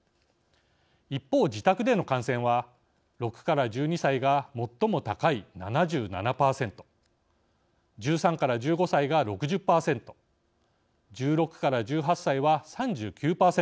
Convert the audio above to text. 一方自宅での感染は６１２歳が最も高い７７％１３１５歳が６０％１６１８歳は３９％でした。